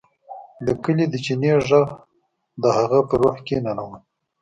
د کلي د چینې غږ د هغه په روح کې ننوت